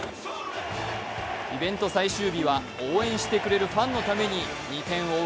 イベント最終日は応援してくれるファンのために２点を追う